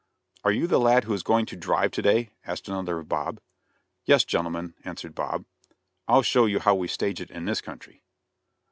"Are you the lad who is going to drive to day?" asked another of Bob. "Yes, gentlemen," answered Bob, "I'll show you how we stage it in this country."